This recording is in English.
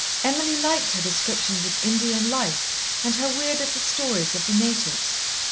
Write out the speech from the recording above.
Emily liked her descriptions of Indian life and her weird little stories of the natives.